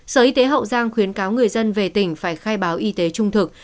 sở y tế hậu giang khuyến cáo người dân về tỉnh phải khai báo y tế trung thực